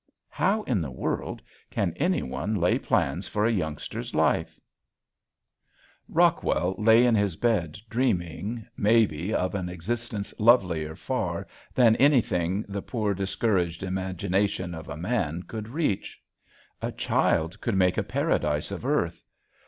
How in the world can anyone lay plans for a youngster's life?" [Illustration: ON THE HEIGHT] Rockwell lay in his bed dreaming, maybe, of an existence lovelier far than anything the poor, discouraged imagination of a man could reach. A child could make a paradise of earth.